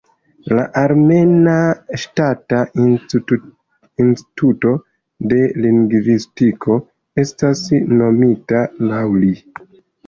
La armena Ŝtata Instituto de Lingvistiko estas nomita laŭ li.